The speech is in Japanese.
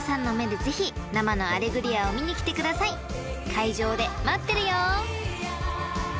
［会場で待ってるよー！］